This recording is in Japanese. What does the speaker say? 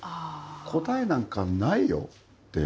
答えなんか、ないよって。